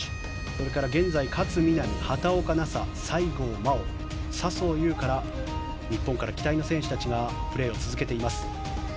これから現在、勝みなみ畑岡奈紗、西郷真央笹生優花ら、日本から期待の選手たちがプレーを続けています。